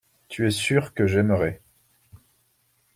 Tu es sûr que j’aimerais.